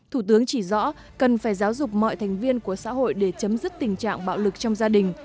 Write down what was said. thủ tướng chỉ rõ cần phải giáo dục mọi thành viên của xã hội để chấm dứt tình trạng bạo lực trong gia đình